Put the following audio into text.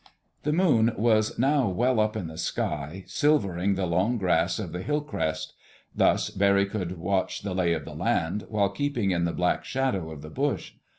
The moon was now well up in the sky, silvering the long grass of the hill crest. Thus Barry could watch the lay of the land, while keeping in the black shadow of the bush.